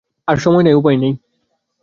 আর সময় নাই, আর উপায় নাই।